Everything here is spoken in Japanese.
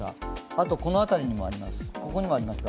あとこの辺りにもあります。